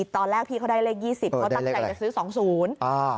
ตอนแรกพี่เขาได้เลข๒๐เขาตั้งแต่จะซื้อ๒๐